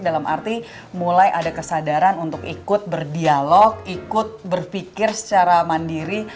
dalam arti mulai ada kesadaran untuk ikut berdialog ikut berpikir secara mandiri